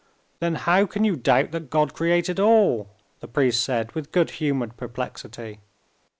Then how can you doubt that God created all?" the priest said, with good humored perplexity.